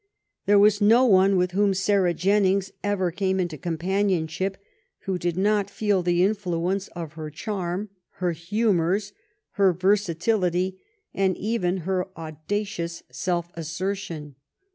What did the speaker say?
There was no one with whom Sarah Jennings ever came into companionship who did not feel the influence of her charm, her hu mors, her versatility, and even her audacious self assertion.